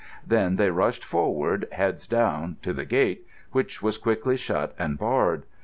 Then they rushed forward, heads down, to the gate, which was quickly shut and barred.